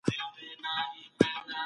دغه سړی ډېر هوښیار وو.